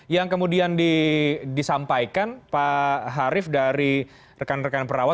yang kemudian disampaikan pak harif dari rekan rekan perawat